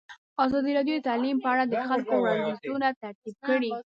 ازادي راډیو د تعلیم په اړه د خلکو وړاندیزونه ترتیب کړي.